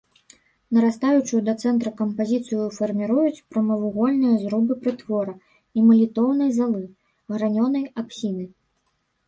Нарастаючую да цэнтра кампазіцыю фарміруюць прамавугольныя зрубы прытвора і малітоўнай залы, гранёнай апсіды.